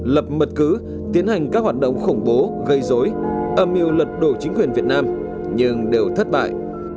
lập mật cứ tiến hành các hoạt động khủng bố gây dối âm mưu lật đổ chính quyền việt nam nhưng đều thất bại